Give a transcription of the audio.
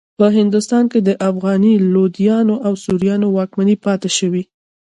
په هندوستان کې د افغاني لودیانو او سوریانو واکمنۍ پاتې شوې.